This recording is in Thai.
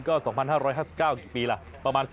ก็๒๕๕๙กี่ปีแล้วประมาณ๑๘